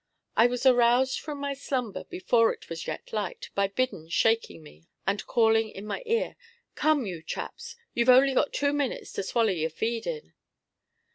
I was aroused from my slumber, before it was yet light, by Biddon shaking me and calling in my ear: "Come, you chaps, you've got only two minutes to swaller yer feed in."